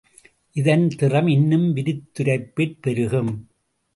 இதன் திறம் இன்னும் விரித்துரைப்பிற் பெருகும்.